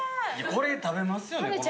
これ食べますよね。